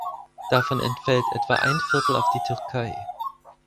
Davon entfällt etwa ein Viertel auf die Türkei.